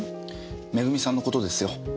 恵さんの事ですよ。